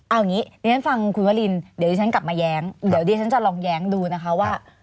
เอาอย่างนี้ดิฉันฟังคุณวรินเดี๋ยวดิฉันกลับมาแย้งเดี๋ยวดิฉันจะลองแย้งดูนะคะว่า